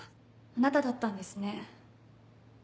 あなただったんですね。